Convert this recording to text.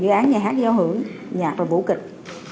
dự án nhà hát giao hưởng nhạc và vũ kịch